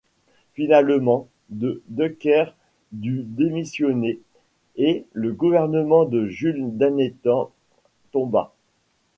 Finalement, De Decker dut démissionner et le gouvernement de Jules d'Anethan tomba.